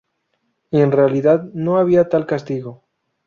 En realidad no había tal castigo.